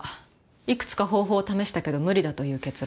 いくつか方法を試したけど無理だという結論。